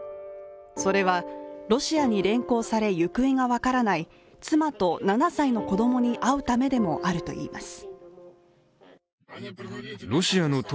それはロシアに連行され行方が分からない妻と７歳の子供に会うためでもあるといいます。